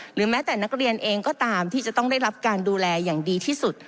แม้แต่นักเรียนเองก็ตามที่จะต้องได้รับการดูแลอย่างดีที่สุด